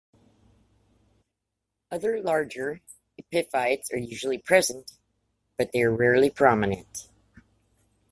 Other larger epiphytes are usually present, but they are rarely prominent.